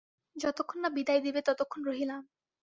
যতক্ষণ না বিদায় দিবে ততক্ষণ রহিলাম।